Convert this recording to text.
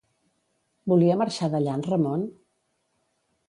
Volia marxar d'allà en Ramon?